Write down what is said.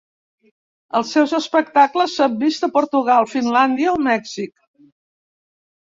Els seus espectacles s’han vist a Portugal, Finlàndia o Mèxic.